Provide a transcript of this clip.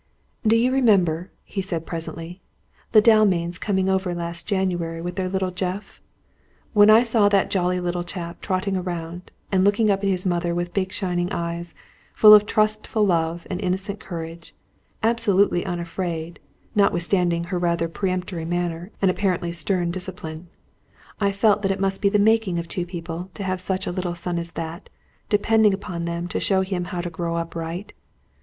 "Do you remember," he said presently, "the Dalmains coming over last January, with their little Geoff? When I saw that jolly little chap trotting about, and looking up at his mother with big shining eyes, full of trustful love and innocent courage, absolutely unafraid notwithstanding her rather peremptory manner, and apparently stern discipline I felt that it must be the making of two people to have such a little son as that, depending upon them to show him how to grow up right.